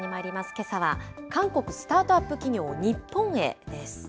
けさは韓国スタートアップ企業日本へです。